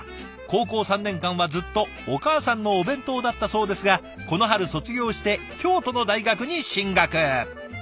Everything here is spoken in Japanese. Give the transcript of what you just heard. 高校３年間はずっとお母さんのお弁当だったそうですがこの春卒業して京都の大学に進学。